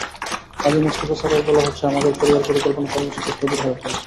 কাজী মোস্তফা সারোয়ার বলা হচ্ছে আমাদের পরিবার পরিকল্পনা কর্মসূচি স্থবির হয়ে পড়েছে।